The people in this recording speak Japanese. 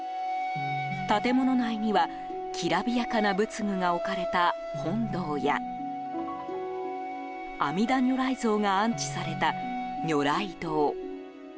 建物内には、きらびやかな仏具が置かれた本堂や阿弥陀如来像が安置された如来堂。